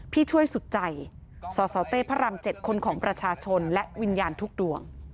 ที่ช่วยสุดใจสสเต้พระราม๗คนของประชาชนและวิญญาณทุกดวง